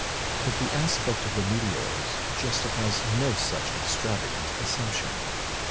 But the aspect of the meteors justifies no such extravagant assumption.